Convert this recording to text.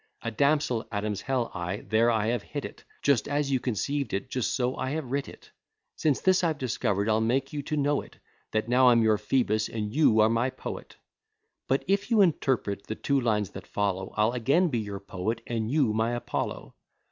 A damsel Adam's hell ay, there I have hit it, Just as you conceived it, just so have I writ it. Since this I've discover'd, I'll make you to know it, That now I'm your Phoebus, and you are my poet. But if you interpret the two lines that follow, I'll again be your poet, and you my Apollo.